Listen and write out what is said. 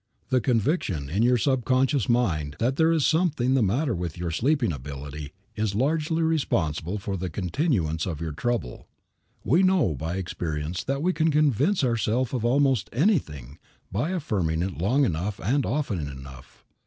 The conviction in your subconscious mind that there is something the matter with your sleeping ability is largely responsible for the continuance of your trouble. We know by experience that we can convince ourselves of almost anything by affirming it long enough and often enough.